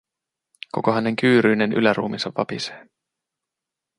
Koko hänen kyyryinen yläruumiinsa vapisee.